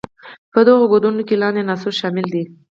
په دغو کودونو کې لاندې عناصر شامل دي.